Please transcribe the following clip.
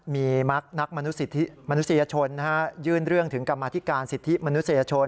มีนักมนุษยชนยื่นเรื่องถึงกรรมธิการสิทธิมนุษยชน